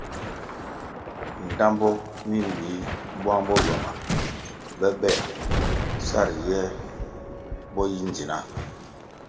Bindtambo mi bi bwang bo ywama bobea sa ri ye bo yi ndzina.